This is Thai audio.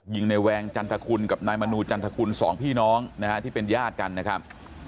ยิงในแวงจันทคุณกับนายมนูจันทคุณสองพี่น้องนะฮะที่เป็นญาติกันนะครับ